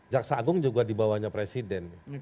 jaksa agung juga dibawanya presiden